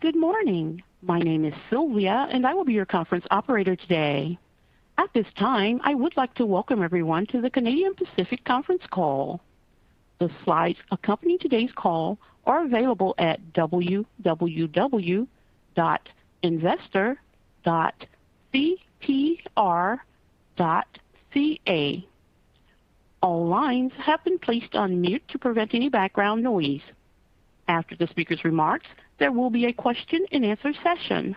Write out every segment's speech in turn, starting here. Good morning. My name is Sylvia, I will be your conference operator today. At this time, I would like to welcome everyone to the Canadian Pacific conference call. The slides accompanying today's call are available at www.investor.cpr.ca. All lines have been placed on mute to prevent any background noise. After the speaker's remarks, there will be a question and answer session.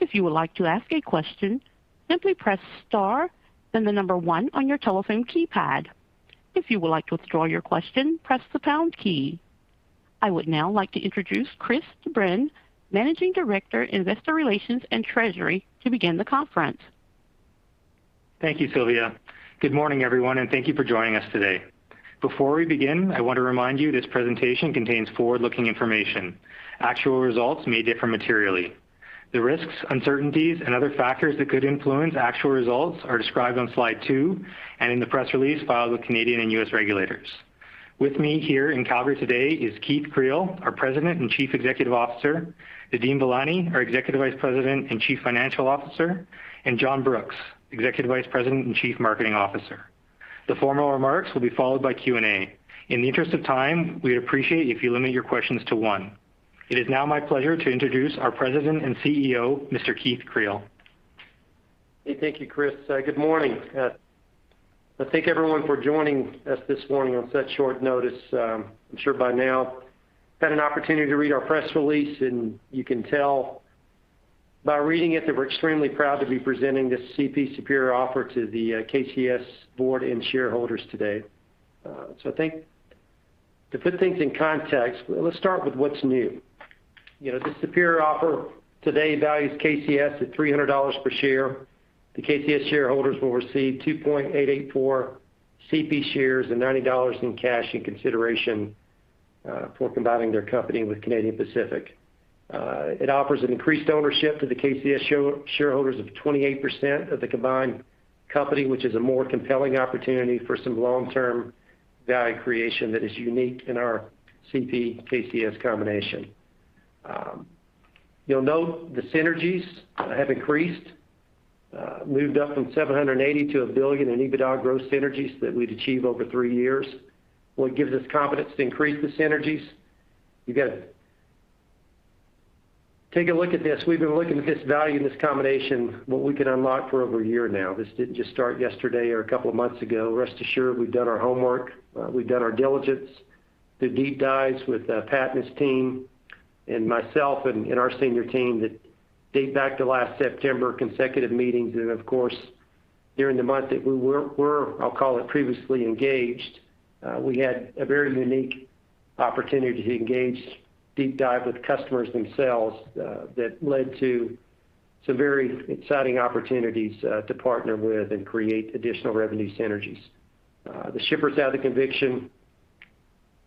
If you would like to ask a question, simply press star then the number one on your telephone keypad. If you would like to withdraw your question, press the pound key. I would now like to introduce Chris Bruyn, Managing Director, Investor Relations and Treasury, to begin the conference. Thank you, Sylvia. Good morning, everyone, thank you for joining us today. Before we begin, I want to remind you this presentation contains forward-looking information. Actual results may differ materially. The risks, uncertainties, and other factors that could influence actual results are described on slide two and in the press release filed with Canadian and U.S. regulators. With me here in Calgary today is Keith Creel, our President and Chief Executive Officer, Nadeem Velani, our Executive Vice President and Chief Financial Officer, and John Brooks, Executive Vice President and Chief Marketing Officer. The formal remarks will be followed by Q&A. In the interest of time, we'd appreciate if you limit your questions to one. It is now my pleasure to introduce our President and CEO, Mr. Keith Creel. Hey, thank you, Chris. Good morning. I thank everyone for joining us this morning on such short notice. I'm sure by now you've had an opportunity to read our press release, and you can tell by reading it that we're extremely proud to be presenting this CP superior offer to the KCS board and shareholders today. I think to put things in context, let's start with what's new. The superior offer today values KCS at $300 per share. The KCS shareholders will receive 2.884 CP shares and $90 in cash in consideration for combining their company with Canadian Pacific. It offers an increased ownership to the KCS shareholders of 28% of the combined company, which is a more compelling opportunity for some long-term value creation that is unique in our CP KCS combination. You'll note the synergies have increased, moved up from 780 to 1 billion in EBITDA growth synergies that we'd achieve over three years. What gives us confidence to increase the synergies? Take a look at this. We've been looking at this value and this combination, what we can unlock, for over a year now. This didn't just start yesterday or a couple of months ago. Rest assured, we've done our homework. We've done our diligence through deep dives with Pat and his team and myself and our senior team that date back to last September, consecutive meetings. Of course, during the month that we were, I'll call it previously engaged, we had a very unique opportunity to engage deep dive with customers themselves that led to some very exciting opportunities to partner with and create additional revenue synergies. The shippers have the conviction.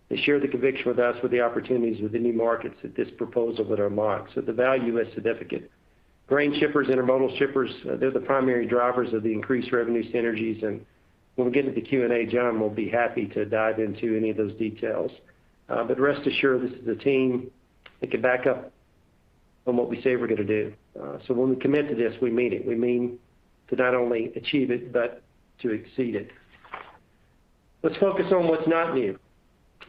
They share the conviction with us with the opportunities with the new markets that this proposal would unlock. The value is significant. Grain shippers, intermodal shippers, they're the primary drivers of the increased revenue synergies, and when we get into the Q&A, John will be happy to dive into any of those details. Rest assured, this is a team that can back up on what we say we're going to do. When we commit to this, we mean it. We mean to not only achieve it, but to exceed it. Let's focus on what's not new.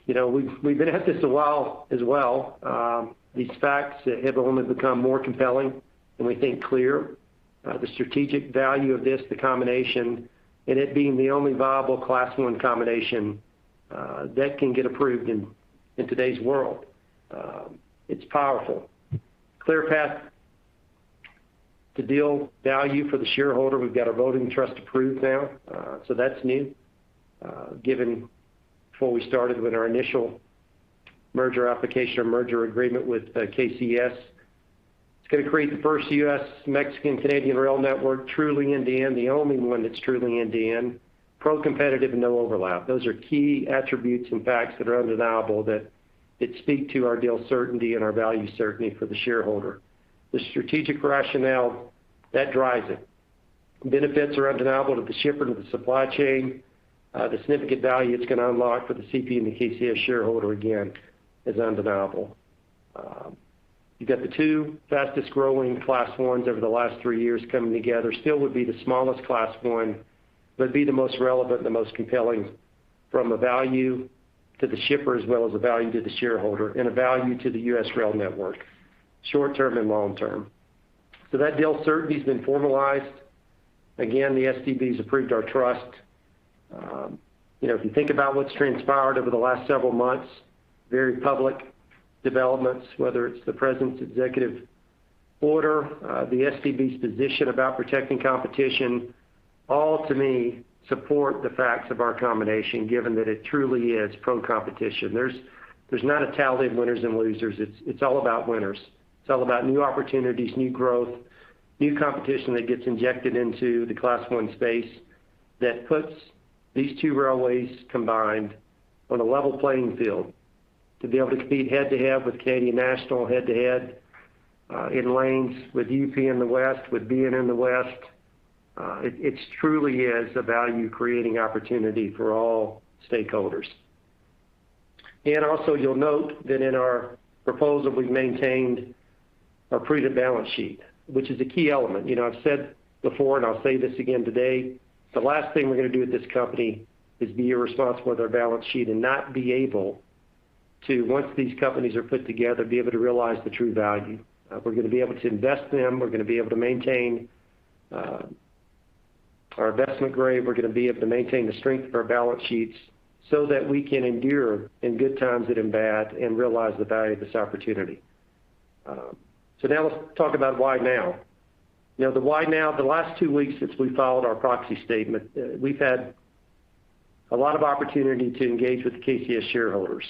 We've been at this a while as well. These facts have only become more compelling and we think clear. The strategic value of this, the combination, and it being the only viable Class I combination that can get approved in today's world. It's powerful. Clear path to deal value for the shareholder. We've got our voting trust approved now, so that's new, given before we started with our initial merger application or merger agreement with KCS. It's going to create the first U.S., Mexican, Canadian rail network, truly end-to-end, the only one that's truly end-to-end, pro-competitive and no overlap. Those are key attributes and facts that are undeniable that speak to our deal certainty and our value certainty for the shareholder. The strategic rationale, that drives it. The benefits are undeniable to the shipper, to the supply chain. The significant value it's going to unlock for the CP and the KCS shareholder, again, is undeniable. You got the two fastest-growing Class Is over the last three years coming together. Still would be the smallest Class I, be the most relevant and the most compelling from a value to the shipper as well as a value to the shareholder and a value to the U.S. rail network, short-term and long-term. That deal certainty has been formalized. The STB has approved our trust. If you think about what's transpired over the last several months, very public developments, whether it's the President's executive order, the STB's position about protecting competition, all to me support the facts of our combination, given that it truly is pro-competition. There's not a tally of winners and losers. It's all about winners. It's all about new opportunities, new growth, new competition that gets injected into the Class I space that puts these two railways combined on a level playing field to be able to compete head-to-head with Canadian National, head-to-head in lanes with UP in the West, with BN in the West. It truly is a value-creating opportunity for all stakeholders. Also, you'll note that in our proposal, we've maintained our pre-debt balance sheet, which is a key element. I've said before, and I'll say this again today, the last thing we're going to do with this company is be irresponsible with our balance sheet and not be able to, once these companies are put together, be able to realize the true value. We're going to be able to invest in them. We're going to be able to maintain our investment grade. We're going to be able to maintain the strength of our balance sheets so that we can endure in good times and in bad and realize the value of this opportunity. Now let's talk about why now. The why now, the last two weeks since we filed our proxy statement, we've had a lot of opportunity to engage with KCS shareholders.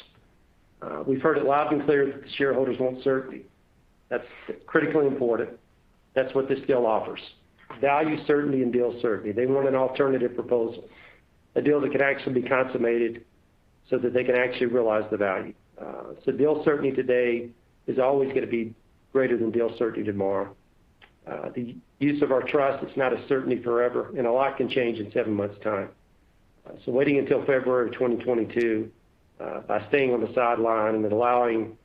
We've heard it loud and clear that the shareholders want certainty. That's critically important. That's what this deal offers, value certainty and deal certainty. They want an alternative proposal, a deal that can actually be consummated so that they can actually realize the value. Deal certainty today is always going to be greater than deal certainty tomorrow. The use of our trust, it's not a certainty forever, and a lot can change in seven months' time. Waiting until February 2022, by staying on the sideline and allowing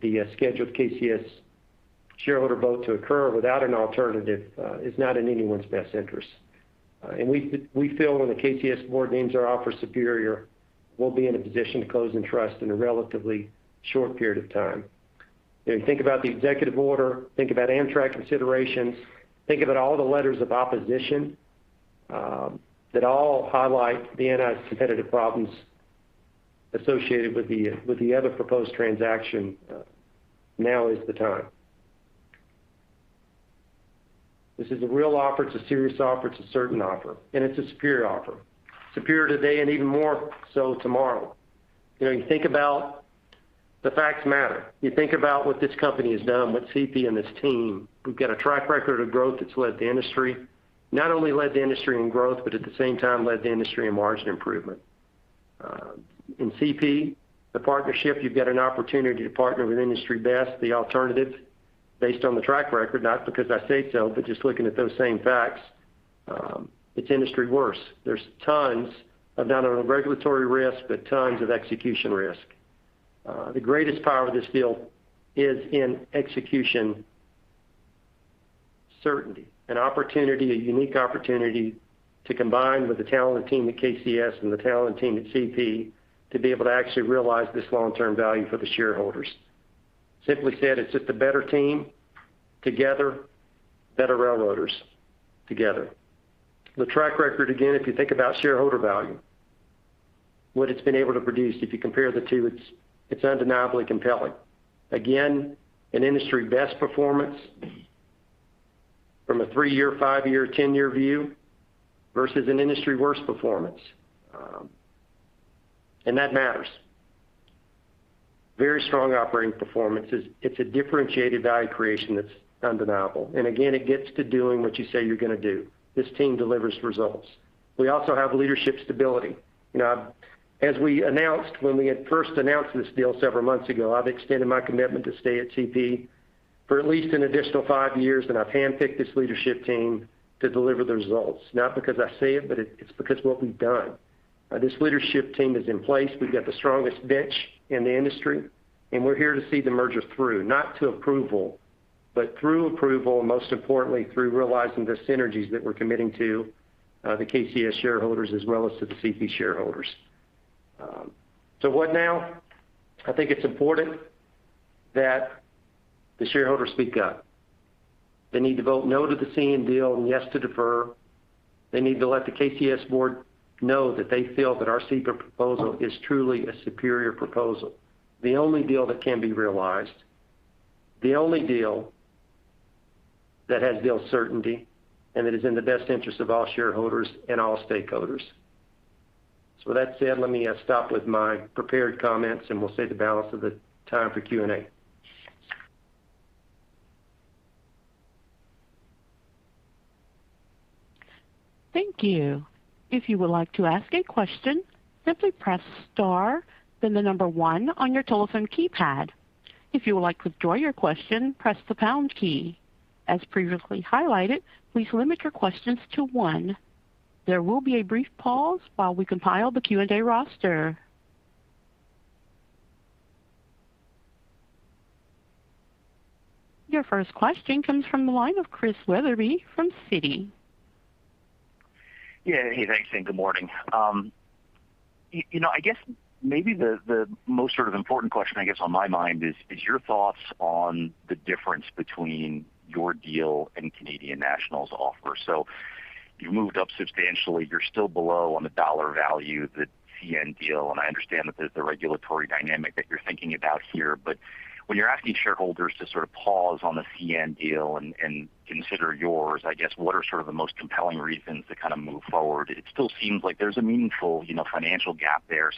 the scheduled KCS shareholder vote to occur without an alternative is not in anyone's best interest. We feel when the KCS board names our offer superior, we'll be in a position to close in trust in a relatively short period of time. When you think about the executive order, think about Amtrak considerations, think about all the letters of opposition that all highlight the anti-competitive problems associated with the other proposed transaction, now is the time. This is a real offer. It's a serious offer. It's a certain offer, and it's a superior offer. Superior today and even more so tomorrow. You think about the facts matter. You think about what this company has done, what CP and this team. We've got a track record of growth that's led the industry, not only led the industry in growth, but at the same time led the industry in margin improvement. In CP, the partnership, you've got an opportunity to partner with industry best, the alternative based on the track record, not because I say so, but just looking at those same facts. It's industry worse. There's tons of not only regulatory risk, but tons of execution risk. The greatest power of this deal is in execution certainty, an opportunity, a unique opportunity to combine with the talented team at KCS and the talented team at CP to be able to actually realize this long-term value for the shareholders. Simply said, it's just a better team together, better railroaders together. The track record, again, if you think about shareholder value, what it's been able to produce, if you compare the two, it's undeniably compelling. Again, an industry-best performance from a three-year, five-year, 10-year view versus an industry-worst performance. That matters. Very strong operating performance. It's a differentiated value creation that's undeniable. Again, it gets to doing what you say you're going to do. This team delivers results. We also have leadership stability. As we announced when we had first announced this deal several months ago, I've extended my commitment to stay at CP for at least an additional five years, and I've handpicked this leadership team to deliver the results, not because I say it, but it's because what we've done. This leadership team is in place. We've got the strongest bench in the industry, and we're here to see the merger through, not to approval, but through approval, most importantly, through realizing the synergies that we're committing to the KCS shareholders as well as to the CP shareholders. What now? I think it's important that the shareholders speak up. They need to vote no to the CN deal and yes to defer. They need to let the KCS board know that they feel that our CP proposal is truly a superior proposal. The only deal that can be realized, the only deal that has deal certainty, and that is in the best interest of all shareholders and all stakeholders. With that said, let me stop with my prepared comments and we'll save the balance of the time for Q&A. Thank you. If you would like to ask a question, simply press star, then the number one on your telephone keypad. If you would like to withdraw your question, press the pound key. As previously highlighted, please limit your questions to one. There will be a brief pause while we compile the Q&A roster. Your first question comes from the line of Chris Wetherbee from Citi. Yeah. Hey, thanks, and good morning. I guess maybe the most sort of important question, I guess, on my mind is your thoughts on the difference between your deal and Canadian National's offer. You moved up substantially. You're still below on the dollar value, the CN deal, and I understand that there's a regulatory dynamic that you're thinking about here. When you're asking shareholders to sort of pause on the CN deal and consider yours, I guess, what are sort of the most compelling reasons to kind of move forward? It still seems like there's a meaningful financial gap there.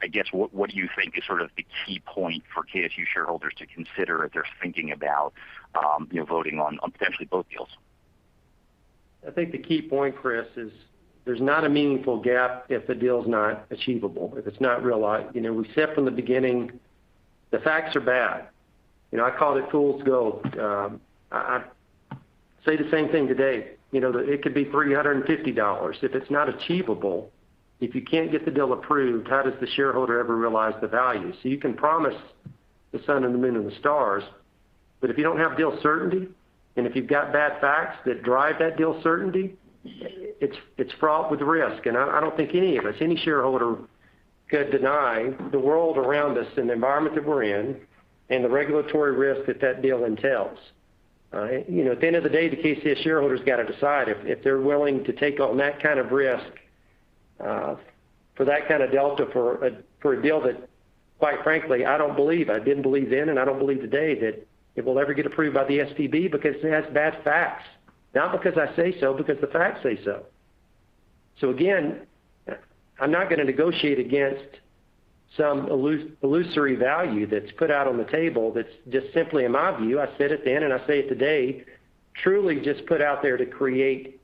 I guess what do you think is sort of the key point for KSU shareholders to consider if they're thinking about voting on potentially both deals? I think the key point, Chris, is there's not a meaningful gap if the deal is not achievable, if it's not realized. We've said from the beginning. The facts are bad. I called it fool's gold. I say the same thing today. It could be $350. If it's not achievable, if you can't get the deal approved, how does the shareholder ever realize the value? You can promise the sun and the moon and the stars, but if you don't have deal certainty, and if you've got bad facts that drive that deal certainty, it's fraught with risk. I don't think any of us, any shareholder, could deny the world around us and the environment that we're in and the regulatory risk that that deal entails. At the end of the day, the KCS shareholder's got to decide if they're willing to take on that kind of risk for that kind of delta for a deal that, quite frankly, I don't believe, I didn't believe then, and I don't believe today that it will ever get approved by the STB because it has bad facts. Not because I say so, because the facts say so. Again, I'm not going to negotiate against some illusory value that's put out on the table that's just simply, in my view, I said it then and I say it today, truly just put out there to create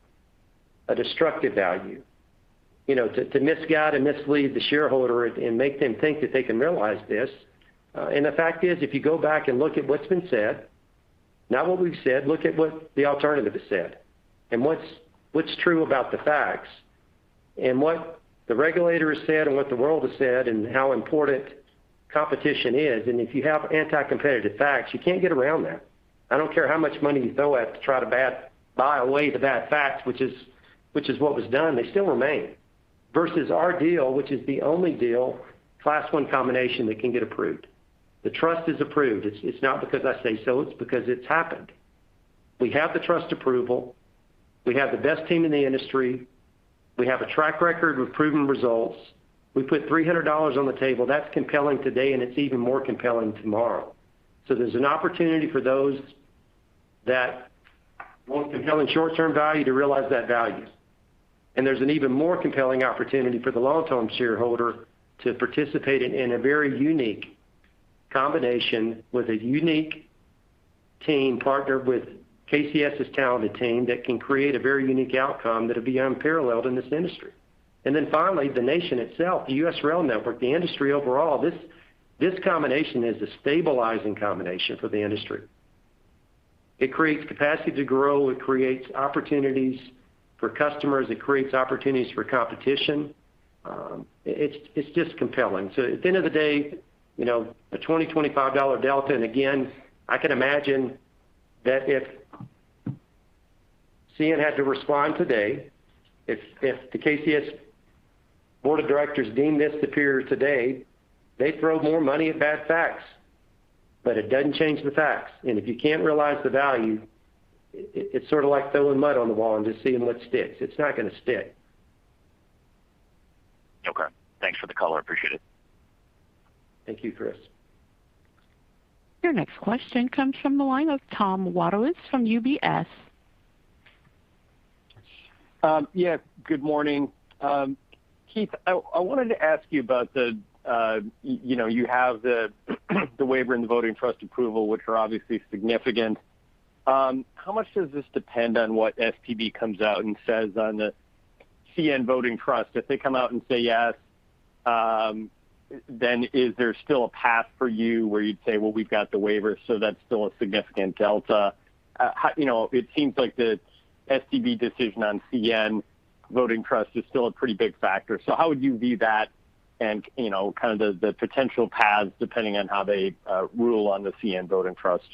a destructive value. To misguide and mislead the shareholder and make them think that they can realize this. The fact is, if you go back and look at what's been said, not what we've said, look at what the alternative has said. What's true about the facts, what the regulator has said, what the world has said, and how important competition is. If you have anti-competitive facts, you can't get around that. I don't care how much money you throw at to try to buy away the bad facts, which is what was done, they still remain. Versus our deal, which is the only deal, Class I combination that can get approved. The trust is approved. It's not because I say so, it's because it's happened. We have the trust approval, we have the best team in the industry, we have a track record with proven results. We put $300 on the table. That's compelling today. It's even more compelling tomorrow. There's an opportunity for those that want compelling short-term value to realize that value. There's an even more compelling opportunity for the long-term shareholder to participate in a very unique combination with a unique team partnered with KCS's talented team that can create a very unique outcome that will be unparalleled in this industry. Finally, the nation itself, the U.S. rail network, the industry overall, this combination is a stabilizing combination for the industry. It creates capacity to grow, it creates opportunities for customers, it creates opportunities for competition. It's just compelling. At the end of the day, a $20, $25 delta, and again, I can imagine that if CN had to respond today, if the KCS board of directors deemed this superior today, they'd throw more money at bad facts. It doesn't change the facts. If you can't realize the value, it's sort of like throwing mud on the wall and just seeing what sticks. It's not going to stick. Okay. Thanks for the color. I appreciate it. Thank you, Chris. Your next question comes from the line of Tom Wadewitz from UBS. Yeah, good morning. Keith, I wanted to ask you about the waiver and the voting trust approval, which are obviously significant. How much does this depend on what STB comes out and says on the CN voting trust? If they come out and say yes, then is there still a path for you where you'd say, "Well, we've got the waiver, so that's still a significant delta." It seems like the STB decision on CN voting trust is still a pretty big factor. How would you view that and kind of the potential paths depending on how they rule on the CN voting trust?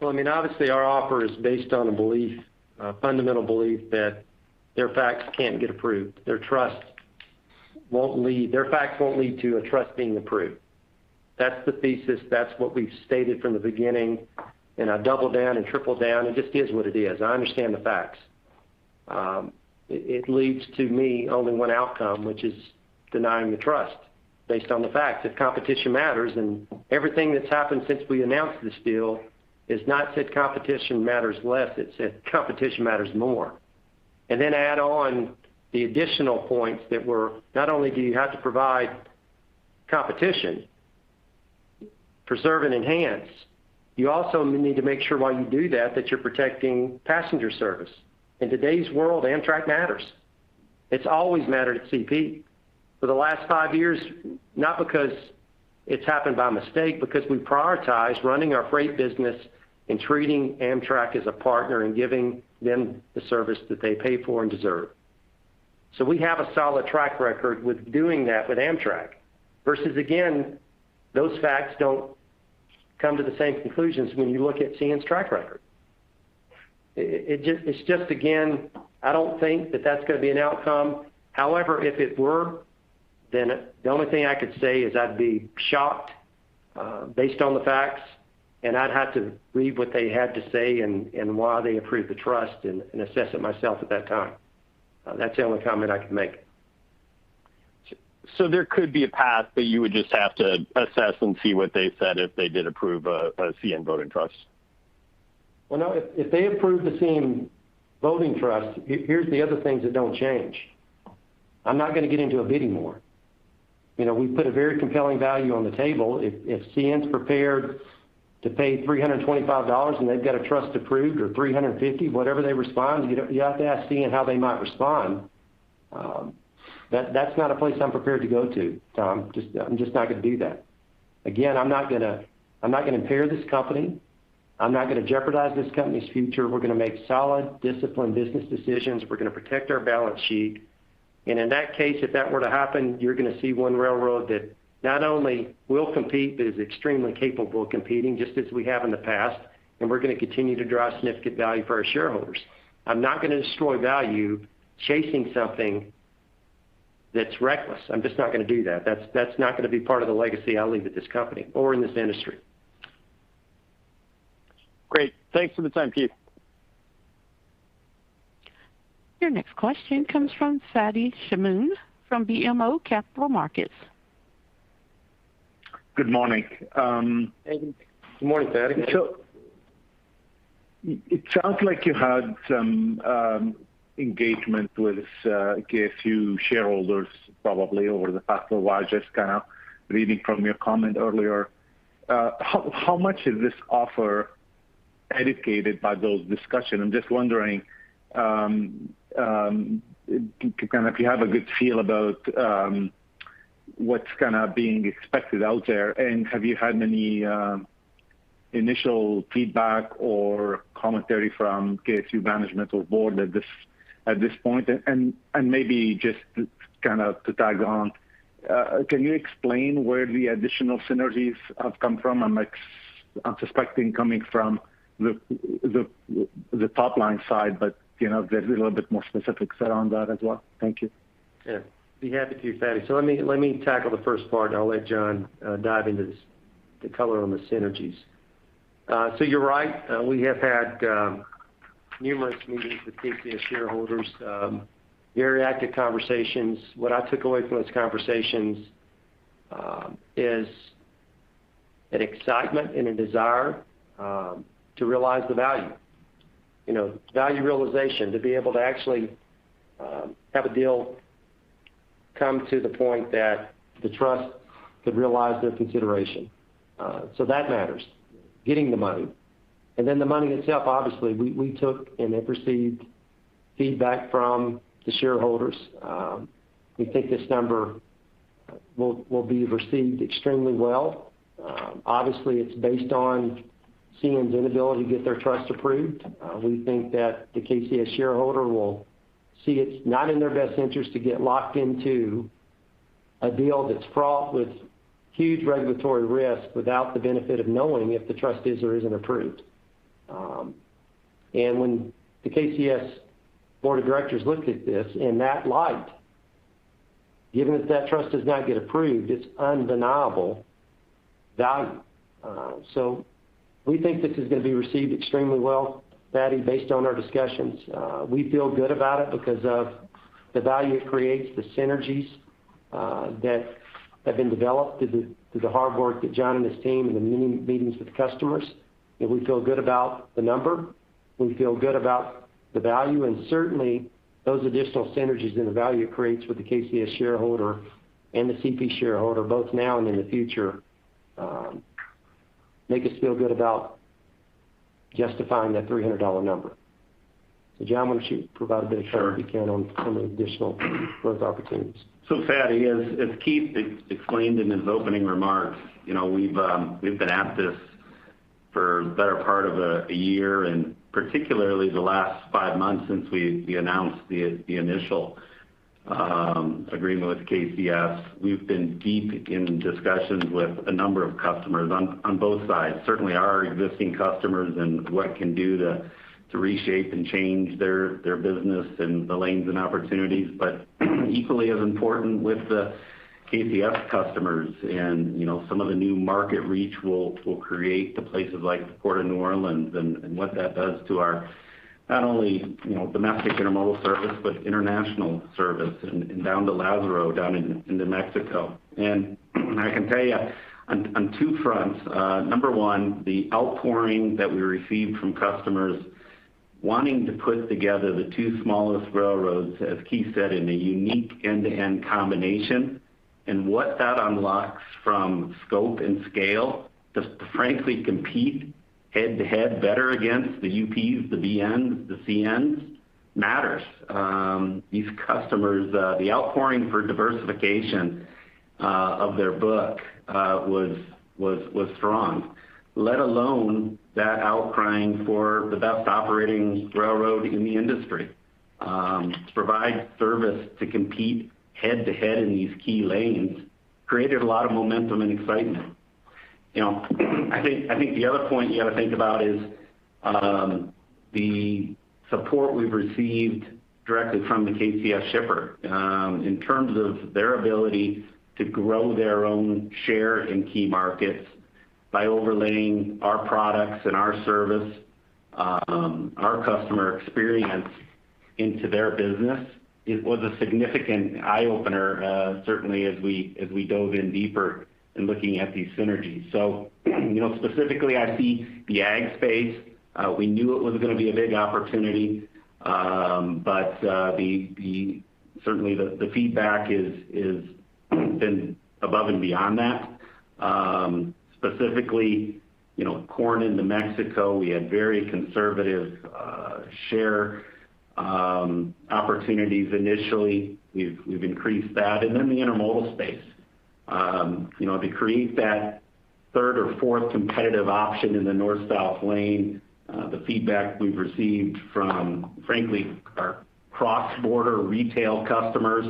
Well, obviously our offer is based on a belief, a fundamental belief that their facts can't get approved. Their facts won't lead to a trust being approved. That's the thesis, that's what we've stated from the beginning, and I double down and triple down. It just is what it is. I understand the facts. It leads to me only one outcome, which is denying the trust based on the facts if competition matters. Everything that's happened since we announced this deal has not said competition matters less, it's said competition matters more. Then add on the additional points that were, not only do you have to provide competition, preserve and enhance, you also need to make sure while you do that you're protecting passenger service. In today's world, Amtrak matters. It's always mattered at CP. For the last five years, not because it's happened by mistake, because we prioritize running our freight business and treating Amtrak as a partner and giving them the service that they pay for and deserve. We have a solid track record with doing that with Amtrak. Versus again, those facts don't come to the same conclusions when you look at CN's track record. It's just, again, I don't think that that's going to be an outcome. However, if it were, then the only thing I could say is I'd be shocked based on the facts, and I'd have to read what they had to say and why they approved the trust and assess it myself at that time. That's the only comment I can make. There could be a path, but you would just have to assess and see what they said if they did approve a CN voting trust? Well, no, if they approve the CN voting trust, here's the other things that don't change. I'm not going to get into a bidding war. We put a very compelling value on the table. If CN's prepared to pay $325 and they've got a trust approved or $350, whatever they respond, you have to ask CN how they might respond. That's not a place I'm prepared to go to, Tom. I'm just not going to do that. Again, I'm not going to impair this company. I'm not going to jeopardize this company's future. We're going to make solid, disciplined business decisions. We're going to protect our balance sheet. In that case, if that were to happen, you're going to see one railroad that not only will compete, but is extremely capable of competing just as we have in the past. We're going to continue to drive significant value for our shareholders. I'm not going to destroy value chasing something that's reckless. I'm just not going to do that. That's not going to be part of the legacy I leave at this company or in this industry. Great. Thanks for the time, Keith. Your next question comes from Fadi Chamoun from BMO Capital Markets. Good morning. Good morning, Fadi. It sounds like you had some engagement with KCS shareholders probably over the past little while, just kind of reading from your comment earlier. How much is this offer educated by those discussion? I'm just wondering if you have a good feel about what's being expected out there, and have you had any initial feedback or commentary from KCS management or board at this point? Maybe just to tag on, can you explain where the additional synergies have come from? I'm suspecting coming from the top-line side, but if there's a little bit more specifics around that as well. Thank you. Yeah. Be happy to, Fadi. Let me tackle the first part, and I'll let John dive into the color on the synergies. You're right, we have had numerous meetings with KCS shareholders, very active conversations. What I took away from those conversations is an excitement and a desire to realize the value. Value realization, to be able to actually have a deal come to the point that the trust could realize their consideration. That matters, getting the money. The money itself, obviously, we took and have received feedback from the shareholders. We think this number will be received extremely well. Obviously, it's based on CN's inability to get their trust approved. We think that the KCS shareholder will see it's not in their best interest to get locked into a deal that's fraught with huge regulatory risk without the benefit of knowing if the trust is or isn't approved. When the KCS board of directors looked at this in that light, given if that trust does not get approved, it's undeniable value. We think this is going to be received extremely well, Fadi, based on our discussions. We feel good about it because of the value it creates, the synergies that have been developed through the hard work that John and his team, and the many meetings with customers. We feel good about the number, we feel good about the value, and certainly those additional synergies and the value it creates for the KCS shareholder and the CP shareholder, both now and in the future, make us feel good about justifying that $300 number. John, why don't you provide a bit of color if you can on some of the additional growth opportunities. Fadi, as Keith explained in his opening remarks, we've been at this for the better part of a year, particularly the last five months since we announced the initial agreement with KCS. We've been deep in discussions with a number of customers on both sides. Certainly our existing customers and what it can do to reshape and change their business and the lanes and opportunities. Equally as important with the KCS customers and some of the new market reach will create to places like the Port of New Orleans and what that does to our not only domestic intermodal service, but international service and down to Lázaro, down into Mexico. I can tell you on two fronts, number one, the outpouring that we received from customers wanting to put together the two smallest railroads, as Keith said, in a unique end-to-end combination. What that unlocks from scope and scale to frankly compete head-to-head better against the UPs, the BNs, the CNs, matters. These customers, the outpouring for diversification of their book was strong, let alone that outcry for the best operating railroad in the industry to provide service to compete head-to-head in these key lanes, created a lot of momentum and excitement. I think the other point you got to think about is the support we've received directly from the KCS shipper. In terms of their ability to grow their own share in key markets by overlaying our products and our service, our customer experience into their business, it was a significant eye-opener certainly as we dove in deeper in looking at these synergies. Specifically I see the ag space. We knew it was going to be a big opportunity, but certainly the feedback has been above and beyond that. Specifically, Corn into Mexico, we had very conservative share opportunities initially. We've increased that. The intermodal space. To create that third or fourth competitive option in the North South lane, the feedback we've received from, frankly, our cross-border retail customers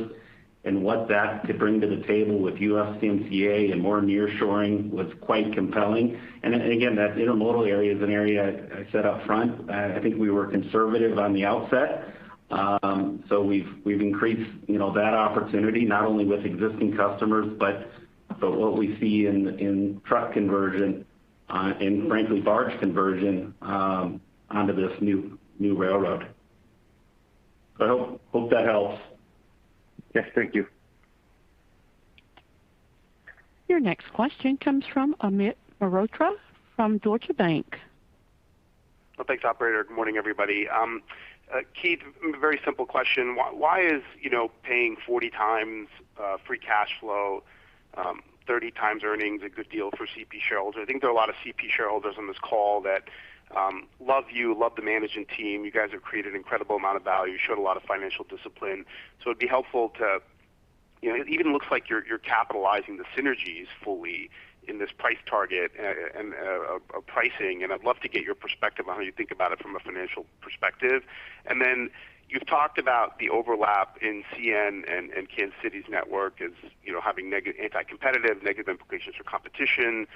and what that could bring to the table with USMCA and more nearshoring was quite compelling. Again, that intermodal area is an area I said up front, I think we were conservative on the outset. We've increased that opportunity not only with existing customers, but what we see in truck conversion and frankly, barge conversion onto this new railroad. I hope that helps. Yes. Thank you. Your next question comes from Amit Mehrotra from Deutsche Bank. Well, thanks operator. Good morning, everybody. Keith, very simple question. Why is paying 40x free cash flow, 30x earnings a good deal for CP shareholders? I think there are a lot of CP shareholders on this call that love you, love the managing team. You guys have created an incredible amount of value, showed a lot of financial discipline. It even looks like you're capitalizing the synergies fully in this price target and pricing, and I'd love to get your perspective on how you think about it from a financial perspective. Then you've talked about the overlap in CN and Kansas City's network as having anti-competitive, negative implications for competition.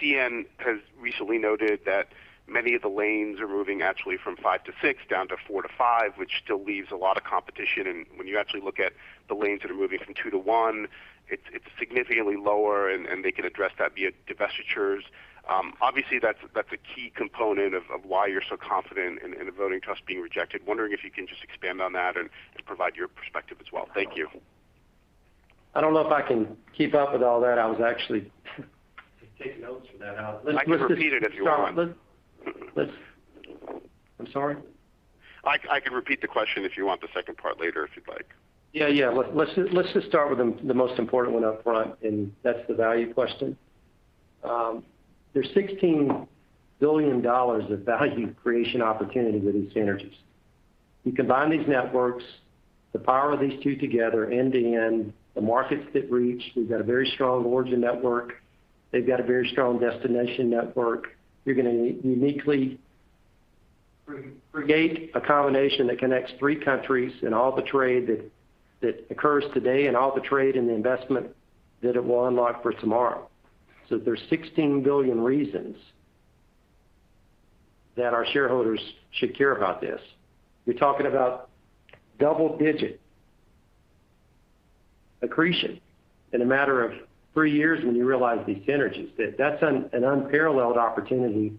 CN has recently noted that many of the lanes are moving actually from five to six down to four to five, which still leaves a lot of competition. When you actually look at the lanes that are moving from two to one, it's significantly lower, and they can address that via divestitures. Obviously, that's a key component of why you're so confident in the voting trust being rejected. Wondering if you can just expand on that and provide your perspective as well. Thank you. I don't know if I can keep up with all that. I was actually taking notes for that. I can repeat it if you want. I'm sorry? I can repeat the question if you want the second part later, if you'd like. Yeah. Let's just start with the most important one up front, and that's the value question. There's 16 billion dollars of value creation opportunity with these synergies. You combine these networks, the power of these two together, end-to-end, the markets get reached. We've got a very strong origin network. They've got a very strong destination network. You're going to uniquely create a combination that connects three countries and all the trade that occurs today and all the trade and the investment that it will unlock for tomorrow. There's 16 billion reasons that our shareholders should care about this. We're talking about double-digit accretion in a matter of three years when you realize these synergies. That's an unparalleled opportunity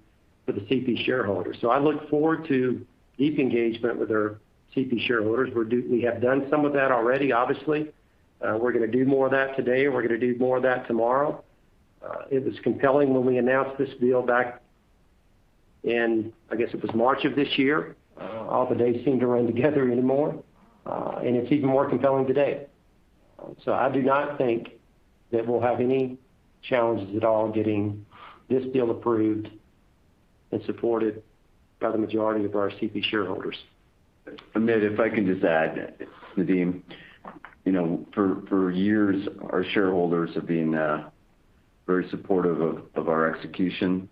for the CP shareholders. I look forward to deep engagement with our CP shareholders. We have done some of that already, obviously. We're going to do more of that today. We're going to do more of that tomorrow. It was compelling when we announced this deal back in, I guess it was March of this year. All the days seem to run together anymore. It's even more compelling today. I do not think that we'll have any challenges at all getting this deal approved and supported by the majority of our CP shareholders. Amit, if I can just add. Nadeem. For years, our shareholders have been very supportive of our execution,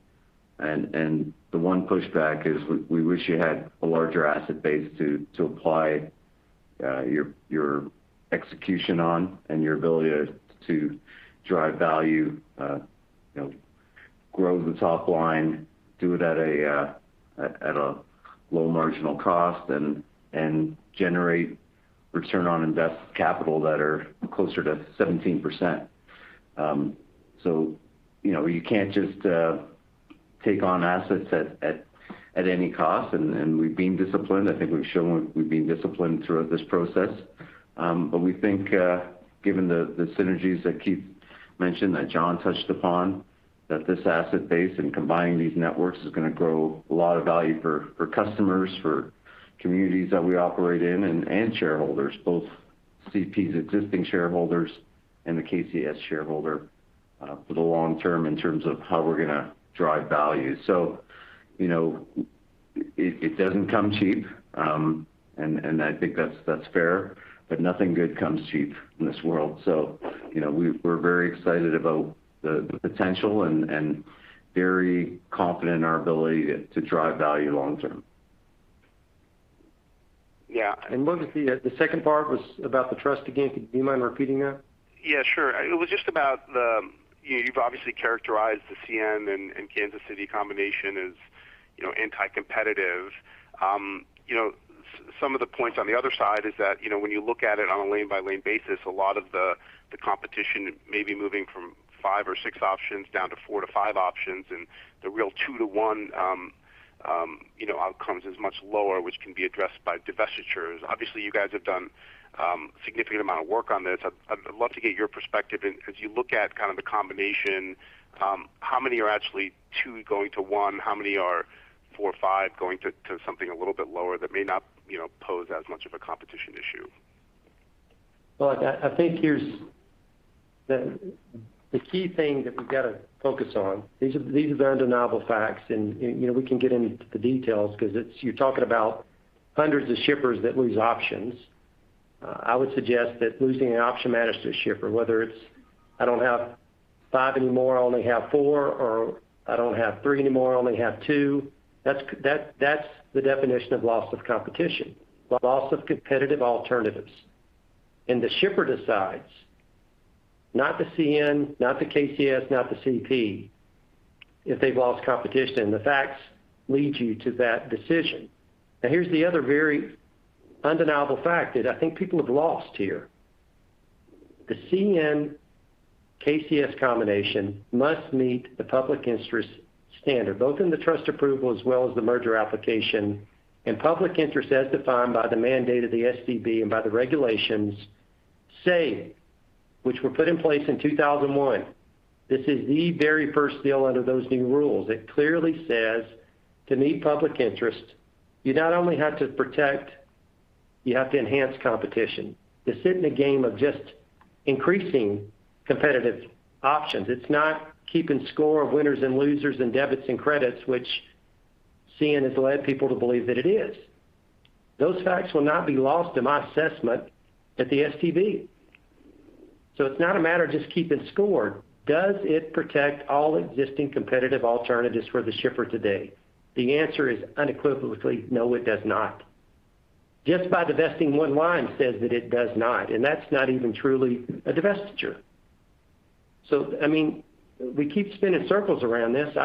and the one pushback is we wish you had a larger asset base to apply your execution on and your ability to drive value, grow the top line, do it at a low marginal cost, and generate return on invested capital that are closer to 17%. You can't just take on assets at any cost, and we've been disciplined. I think we've shown we've been disciplined throughout this process. We think, given the synergies that Keith mentioned, that John touched upon, that this asset base and combining these networks is going to grow a lot of value for customers, for communities that we operate in and shareholders, both CP's existing shareholders and the KCS shareholder, for the long term in terms of how we're going to drive value. It doesn't come cheap, and I think that's fair, but nothing good comes cheap in this world. We're very excited about the potential and very confident in our ability to drive value long term. Yeah. What was the second part? Was about the trust again? Do you mind repeating that? Yeah, sure. You've obviously characterized the CN and KCS combination as anti-competitive. Some of the points on the other side is that, when you look at it on a lane-by-lane basis, a lot of the competition may be moving from five or six options down to four to five options, and the real two to one outcomes is much lower, which can be addressed by divestitures. You guys have done significant amount of work on this. I'd love to get your perspective. As you look at kind of the combination, how many are actually two going to one? How many are four or five going to something a little bit lower that may not pose as much of a competition issue? Well, I think the key thing that we've got to focus on, these are undeniable facts and we can get into the details because you're talking about hundreds of shippers that lose options. I would suggest that losing an option matters to a shipper, whether it's I don't have five anymore, I only have four, or I don't have three anymore, I only have two. That's the definition of loss of competition, the loss of competitive alternatives. The shipper decides, not the CN, not the KCS, not the CP, if they've lost competition. The facts lead you to that decision. Here's the other very undeniable fact that I think people have lost here. The CN KCS combination must meet the public interest standard, both in the trust approval as well as the merger application, and public interest as defined by the mandate of the STB and by the regulations say, which were put in place in 2001. This is the very first deal under those new rules. It clearly says to meet public interest, you not only have to protect, you have to enhance competition. This isn't a game of just increasing competitive options. It's not keeping score of winners and losers and debits and credits, which CN has led people to believe that it is. Those facts will not be lost in my assessment at the STB. It's not a matter of just keeping score. Does it protect all existing competitive alternatives for the shipper today? The answer is unequivocally no, it does not. Just by divesting one line says that it does not, and that's not even truly a divestiture. We keep spinning circles around this.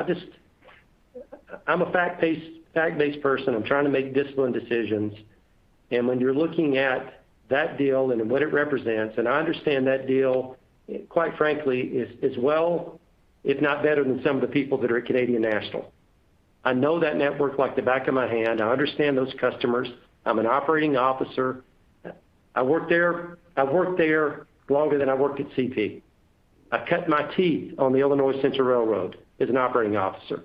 I'm a fact-based person. I'm trying to make disciplined decisions. When you're looking at that deal and what it represents, and I understand that deal, quite frankly, as well, if not better than some of the people that are at Canadian National. I know that network like the back of my hand. I understand those customers. I'm an operating officer. I worked there longer than I worked at CP. I cut my teeth on the Illinois Central Railroad as an operating officer.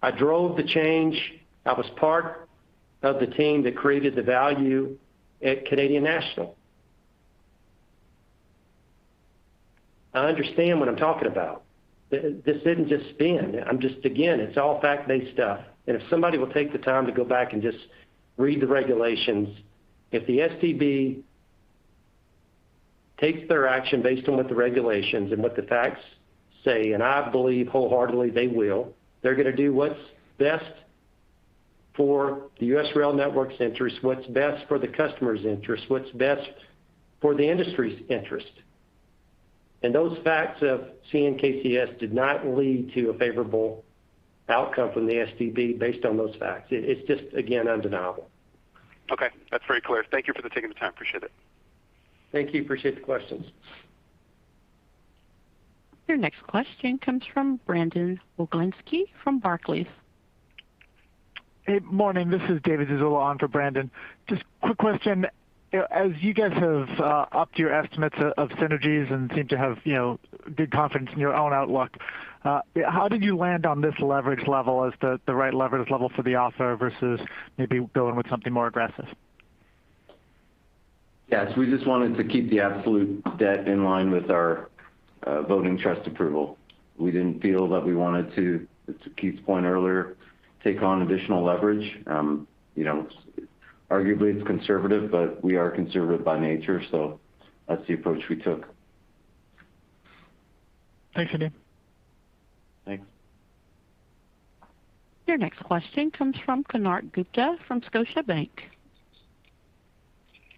I drove the change. I was part of the team that created the value at Canadian National. I understand what I'm talking about. This isn't just spin. Again, it's all fact-based stuff. If somebody will take the time to go back and just read the regulations, if the STB takes their action based on what the regulations and what the facts say, and I believe wholeheartedly they will, they're going to do what's best for the U.S. rail network's interest, what's best for the customer's interest, what's best for the industry's interest. Those facts of CN KCS did not lead to a favorable outcome from the STB based on those facts. It's just, again, undeniable. Okay, that's very clear. Thank you for taking the time. Appreciate it. Thank you. Appreciate the questions. Your next question comes from Brandon Oglenski from Barclays. Hey, morning. This is David Zazula on for Brandon. Just quick question. As you guys have upped your estimates of synergies and seem to have good confidence in your own outlook, how did you land on this leverage level as the right leverage level for the offer versus maybe going with something more aggressive? Yes, we just wanted to keep the absolute debt in line with our voting trust approval. We didn't feel that we wanted to Keith's point earlier, take on additional leverage. Arguably, it's conservative, but we are conservative by nature, so that's the approach we took. Thanks, Nadeem. Thanks. Your next question comes from Konark Gupta from Scotiabank.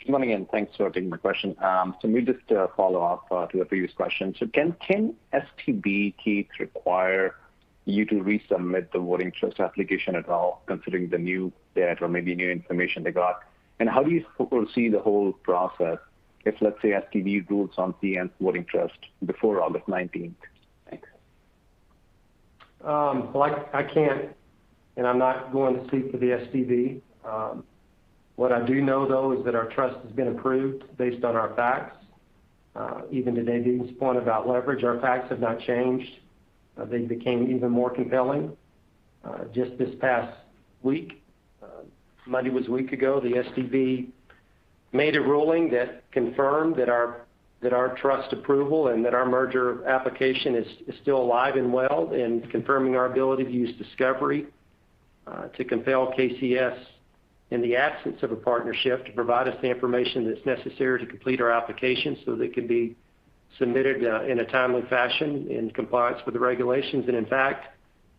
Good morning, and thanks for taking my question. Maybe just to follow up to a previous question. Can STB, Keith, require you to resubmit the voting trust application at all, considering the new debt or maybe new information they got? How do you foresee the whole process if, let's say, STB rules on CN's voting trust before August 19th? Thanks. Well, I can't, and I'm not going to speak for the STB. What I do know, though, is that our trust has been approved based on our facts. Even to David's point about leverage, our facts have not changed. They became even more compelling just this past week. Monday was a week ago, the STB made a ruling that confirmed that our trust approval and that our merger application is still alive and well and confirming our ability to use discovery to compel KCS in the absence of a partnership to provide us the information that's necessary to complete our application so that it can be submitted in a timely fashion in compliance with the regulations. In fact,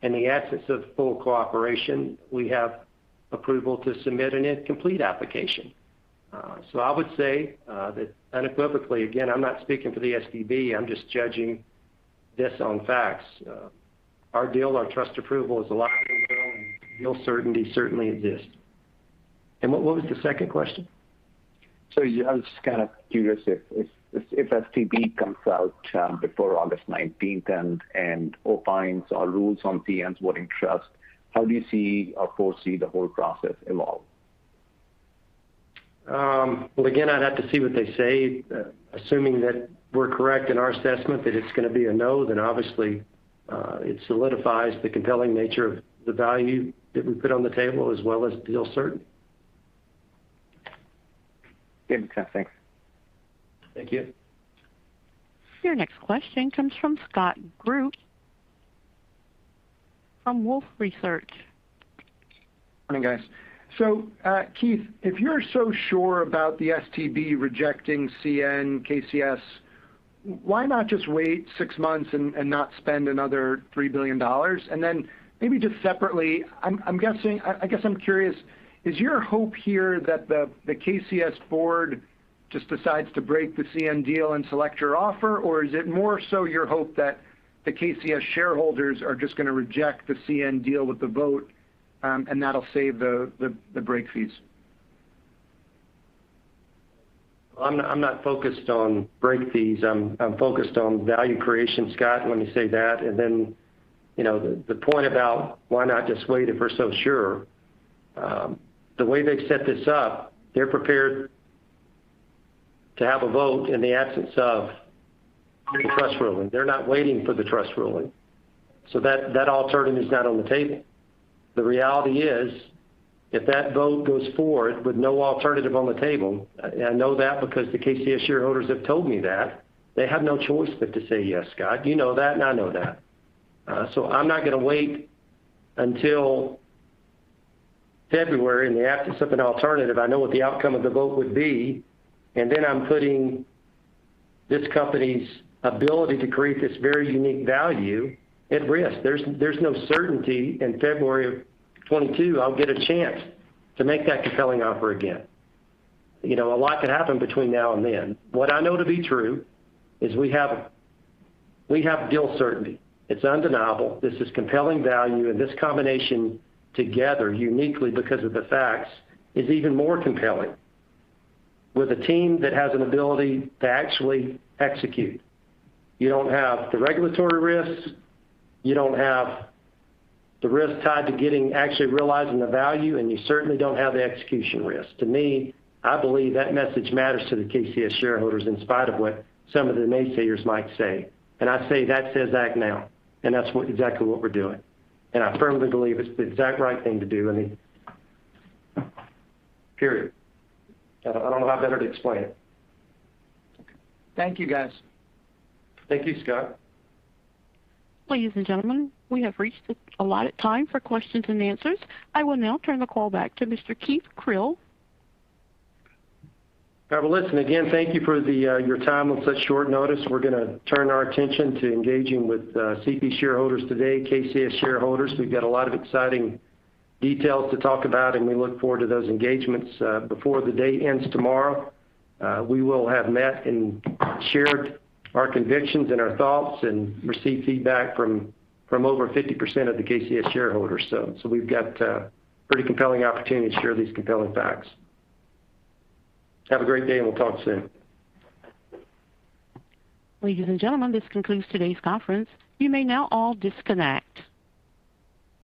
in the absence of full cooperation, we have approval to submit an incomplete application. I would say that unequivocally, again, I'm not speaking for the STB, I'm just judging this on facts. Our deal, our trust approval is alive and well, and deal certainty certainly exists. What was the second question? I was just kind of curious if STB comes out before August 19th and/or fines or rules on CN's voting trust, how do you see or foresee the whole process evolve? Well, again, I'd have to see what they say. Assuming that we're correct in our assessment that it's going to be a no, obviously it solidifies the compelling nature of the value that we put on the table as well as deal certainty. Good stuff. Thanks. Thank you. Your next question comes from Scott Group from Wolfe Research. Morning, guys. Keith, if you're so sure about the STB rejecting CN KCS, why not just wait 6 months and not spend another $3 billion? Maybe just separately, I guess I'm curious, is your hope here that the KCS board just decides to break the CN deal and select your offer, or is it more so your hope that the KCS shareholders are just going to reject the CN deal with the vote and that'll save the break fees? I'm not focused on break fees. I'm focused on value creation, Scott, let me say that. The point about why not just wait if we're so sure. The way they've set this up, they're prepared to have a vote in the absence of any trust ruling. They're not waiting for the trust ruling. That alternative is not on the table. The reality is, if that vote goes forward with no alternative on the table, I know that because the KCS shareholders have told me that, they have no choice but to say yes, Scott. You know that, and I know that. I'm not going to wait until February in the absence of an alternative. I know what the outcome of the vote would be, and then I'm putting this company's ability to create this very unique value at risk. There's no certainty in February of 2022 I'll get a chance to make that compelling offer again. A lot could happen between now and then. What I know to be true is we have deal certainty. It's undeniable. This is compelling value, and this combination together, uniquely because of the facts, is even more compelling with a team that has an ability to actually execute. You don't have the regulatory risks, you don't have the risk tied to getting actually realizing the value, and you certainly don't have the execution risk. To me, I believe that message matters to the KCS shareholders in spite of what some of the naysayers might say, and I say that says act now, and that's exactly what we're doing. I firmly believe it's the exact right thing to do, period. I don't know how better to explain it. Thank you, guys. Thank you, Scott. Ladies and gentlemen, we have reached allotted time for questions and answers. I will now turn the call back to Mr. Keith Creel. Well, listen, again, thank you for your time on such short notice. We're going to turn our attention to engaging with CP shareholders today, KCS shareholders. We've got a lot of exciting details to talk about. We look forward to those engagements. Before the day ends tomorrow, we will have met and shared our convictions and our thoughts and received feedback from over 50% of the KCS shareholders. We've got a pretty compelling opportunity to share these compelling facts. Have a great day. We'll talk soon. Ladies and gentlemen, this concludes today's conference. You may now all disconnect.